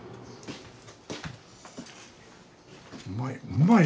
うまい！